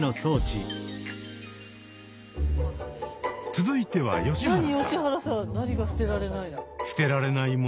続いては吉原さん。